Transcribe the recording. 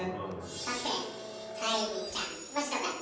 さて沙莉ちゃん面白かった？